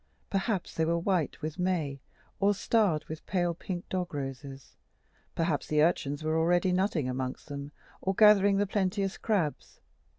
Perhaps they were white with May, or starred with pale pink dog roses; perhaps the urchins were already nutting among them, or gathering the plenteous crabs.